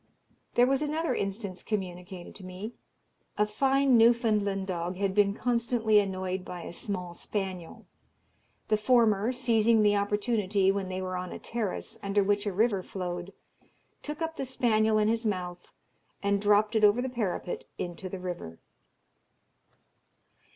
There was another instance communicated to me. A fine Newfoundland dog had been constantly annoyed by a small spaniel. The former, seizing the opportunity when they were on a terrace under which a river flowed, took up the spaniel in his mouth, and dropped it over the parapet into the river.